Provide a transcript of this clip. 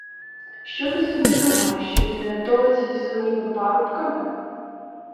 Що ти собі думаєш, що ти на толоці зі своїми парубками?